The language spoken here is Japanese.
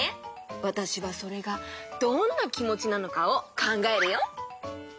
わたしはそれがどんなきもちなのかをかんがえるよ。